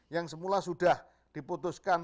yang semula sudah diputuskan